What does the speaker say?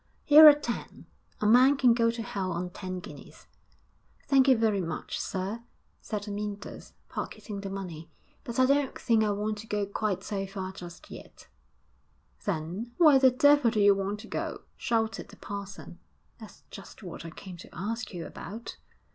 'Here are ten; a man can go to hell on ten guineas.' 'Thank you very much, sir,' said Amyntas, pocketing the money, 'but I don't think I want to go quite so far just yet.' 'Then where the devil do you want to go?' shouted the parson. 'That's just what I came to ask you about.'